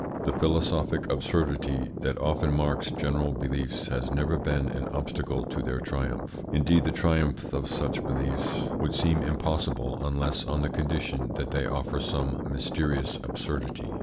The philosophic absurdity that often marks general beliefs has never been an obstacle to their triumph. Indeed the triumph of such beliefs would seem impossible unless on the condition that they offer some mysterious absurdity.